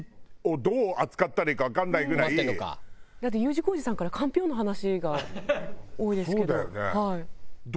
だってＵ字工事さんからかんぴょうの話が多いですけど。